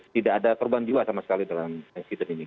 tidak ada korban jiwa sama sekali dalam insiden ini